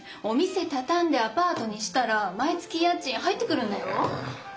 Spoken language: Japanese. お店たたんでアパートにしたら毎月家賃入ってくるんだよ。